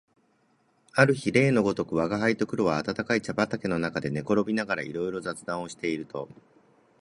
ある日例のごとく吾輩と黒は暖かい茶畠の中で寝転びながらいろいろ雑談をしていると、